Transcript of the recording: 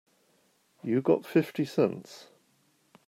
You got fifty cents?